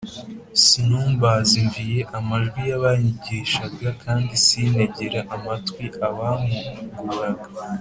sinumbersmviye amajwi y’abanyigishaga, kandi sintegere amatwi abampuguraga